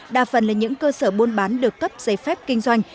đa phần là những cơ sở buôn bán được cấp giấy phép kinh doanh